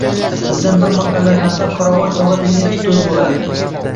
Bizdan bir mahalla narida Qoravoy togʼa degan etikdoʼz boʼlardi.